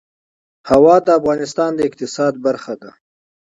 هوا د افغانستان د اقتصاد برخه ده.